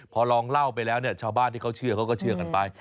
พอลองเล่าไปแล้วเนี่ยชาวบ้านที่เขาเชื่อเขาก็เชื่อกันไป